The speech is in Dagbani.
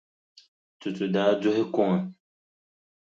Tutu daa duhi kuŋa.